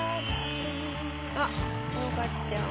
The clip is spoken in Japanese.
あっのかちゃん。